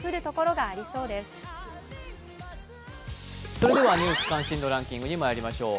それでは「ニュース関心度ランキング」にまいりましょう。